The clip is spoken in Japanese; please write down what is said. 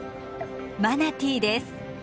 マナティーです。